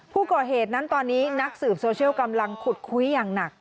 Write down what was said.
ผู้ก่อเหตุนั้นตอนนี้นักสืบโซเชียลกำลังขุดคุยอย่างหนัก